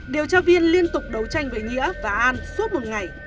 điều tra viên liên tục đấu tranh với nghĩa và an suốt một ngày